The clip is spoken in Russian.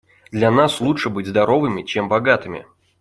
Для нас лучше быть здоровыми, чем богатыми».